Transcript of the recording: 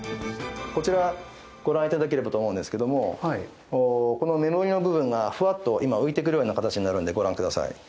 こちらご覧いただければと思うんですけれどもこの目盛りの部分がふわっと今浮いてくるような形になるのでご覧ください。